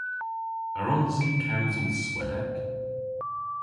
A wrons i kewsel Swedek?